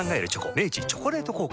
明治「チョコレート効果」